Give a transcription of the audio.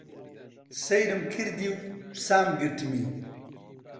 سەیرم کردی و سام گرتمی.